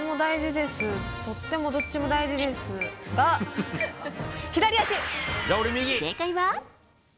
とってもどっちも大事ですが左足！